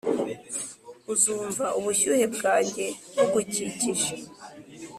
uzumva ubushyuhe bwanjye bugukikije,